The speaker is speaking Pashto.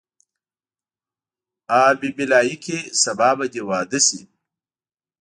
آ بي بي لایقې سبا به دې واده شي.